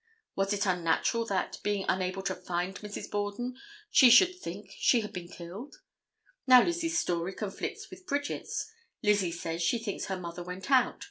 Was it unnatural that, being unable to find Mrs. Borden, she should think she had been killed. Now Lizzie's story conflicts with Bridget's. Lizzie says she thinks her mother went out.